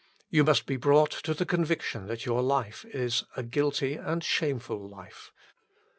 You must be brought to the conviction that your life is a guilty and shameful life.